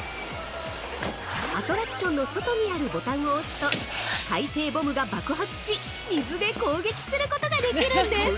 アトラクションの外にあるボタンを押すと海底ボムが爆発し水で攻撃することができるんです。